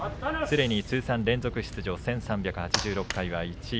通算連続出場１３８６回は１位。